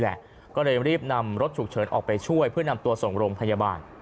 แหละก็เลยรีบนำรถฉุกเฉินออกไปช่วยเพื่อนำตัวส่งโรงพยาบาล